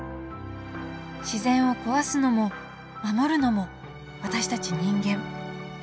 自然を壊すのも守るのも私たち人間。